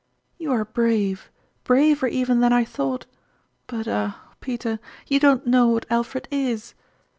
" You are brave braver even than I thought ; but, ah ! Peter, you don't know what Alfred is!"